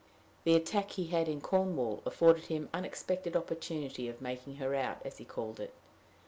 The attack he had in Cornwall afforded him unexpected opportunity of making her out, as he called it.